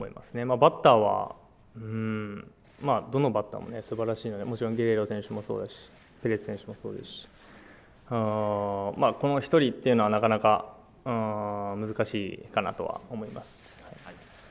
バッターはうーん、まあどのバッターもすばらしいので、もちろんゲレーロ選手もそうだしペレス選手もそうですし、この１人というのは、なかなか難しいかなとは思います。